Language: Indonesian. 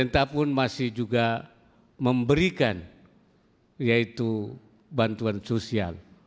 tapi masih juga memberikan yaitu bantuan sosial